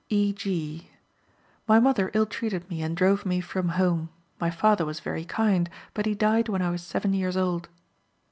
E. G.: "My mother ill treated me and drove me from home. My father was very kind, but he died when I was seven years old."